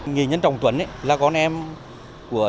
nghệ nhân trọng tuấn là con em của địa phương